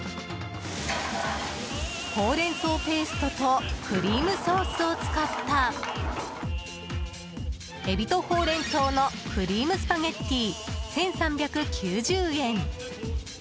ホウレンソウペーストとクリームソースを使ったエビとほうれん草のクリームスパゲッティ１３９０円。